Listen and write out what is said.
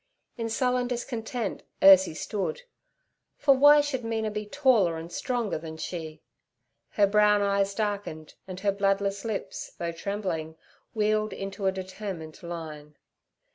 In sullen discontent Ursie stood, for why should Mina be taller and stronger than she? Her brown eyes darkened and her bloodless lips, though trembling, wealed into a determined line.